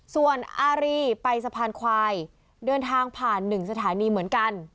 ส่วนอารีไปสะพานควายเดินทางผ่าน๑สถานีเหมือนกัน